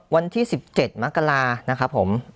วันที่สิบเจ็ดมะกระลานะครับผม